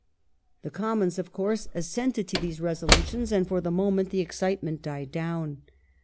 The Commons, of coui se, assented to these Resolutions, and, for the moment, the excitement died down.